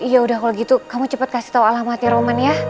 yaudah kalau gitu kamu cepet kasih tau alamatnya roman ya